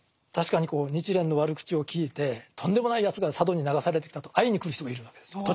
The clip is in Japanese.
確かに日蓮の悪口を聞いてとんでもないやつが佐渡に流されてきたと会いに来る人がいるわけです。